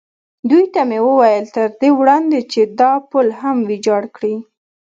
دوی ته مې وویل: تر دې وړاندې چې دا پل هم ویجاړ کړي.